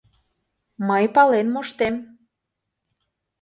— Мый пален моштем...